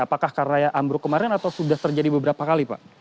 apakah karena ambruk kemarin atau sudah terjadi beberapa kali pak